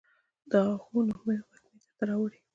د آهونو مې وږمې درته راوړي